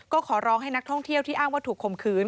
ก็ขอร้องให้นักท่องเที่ยวที่อ้างว่าถูกข่มขืน